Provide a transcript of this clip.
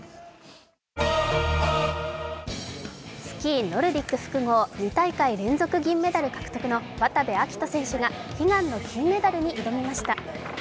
スキーノルディック複合２大会連続メダル獲得の渡部暁斗選手が悲願の金メダルに挑みました。